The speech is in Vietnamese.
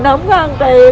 không có ăn tiền